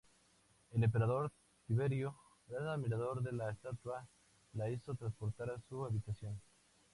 El emperador Tiberio, gran admirador de la estatua, la hizo transportar a su habitación.